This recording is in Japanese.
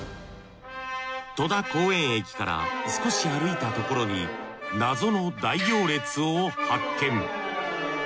戸田公園駅から少し歩いたところに謎の大行列を発見。